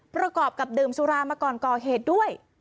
ประกอบกับดื่มสุรามาก่อนก่อเหตุด้วย